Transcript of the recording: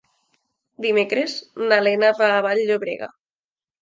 Dimecres na Lena va a Vall-llobrega.